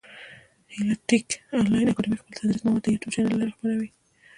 هیله ټېک انلاین اکاډمي خپل تدریسي مواد د يوټیوب چېنل له لاري خپره وي.